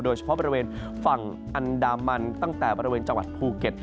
โดยเฉพาะบริเวณฝั่งอันดามันตั้งแต่บริเวณจังหวัดภูเก็ต